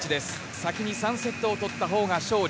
先に３セットを取ったほうが勝利。